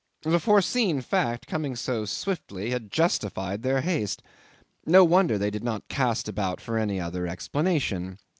The foreseen fact coming so swiftly had justified their haste. No wonder they did not cast about for any other explanation.